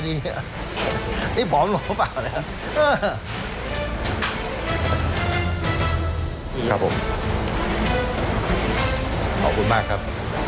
บริเวณนี้เป็นจุดเริ่มต้นที่มีการตรวจตาอย่างเข้มงวดนะครับ